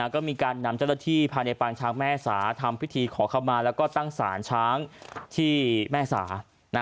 ก็มีการนำเจ้าหน้าที่ภายในปางช้างแม่สาทำพิธีขอเข้ามาแล้วก็ตั้งศาลช้างที่แม่สา